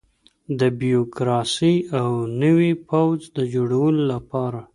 د بیروکراسۍ او نوي پوځ د جوړولو لپاره.